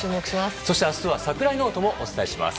そして明日は櫻井ノートもお伝えします。